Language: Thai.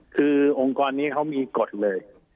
คือองค์กรนี้เขามีกฎเลย